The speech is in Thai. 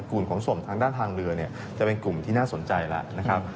กลุ่มขนส่งทางทางเรือจะเป็นกลุ่มที่น่าสนใจแล้ว